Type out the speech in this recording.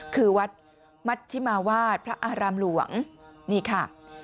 คือวัดมัชชิมาวาดพระอารามหลวงนี่ค่ะ